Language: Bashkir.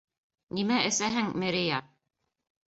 Нимә эсәһең, Мерея?